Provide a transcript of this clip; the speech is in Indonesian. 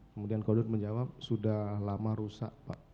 kemudian kodut menjawab sudah lama rusak pak